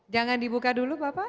jangan dibuka dulu bapak